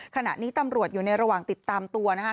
ขณะนี้ตำรวจอยู่ในระหว่างติดตามตัวนะคะ